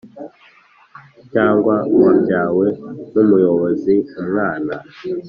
cyangwa wabyawe n umuyobozi umwana